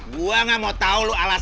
gue gak mau tau alasan lo apa